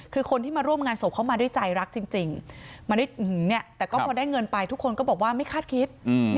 คือคนที่มาร่วมงานศพเขามาด้วยใจรักจริงแต่ก็พอได้เงินไปทุกคนก็บอกว่าไม่คาดคิด